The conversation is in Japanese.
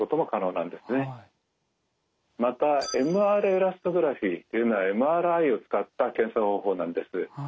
またＭＲエラストグラフィというのはＭＲＩを使った検査方法なんです。